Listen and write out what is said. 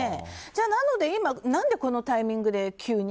なので、今何で、このタイミングで急に？